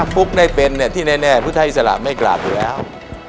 ปุ๊กได้เป็นที่แน่พุทธอิสระไม่กราบอยู่แล้ว